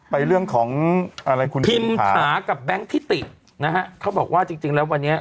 ไปเรื่องของอะไรคุณพิมถากับแบงค์ทิตินะฮะเขาบอกว่าจริงจริงแล้ววันนี้